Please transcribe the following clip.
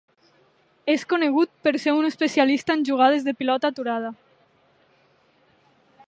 És conegut per ser un especialista en jugades de pilota aturada.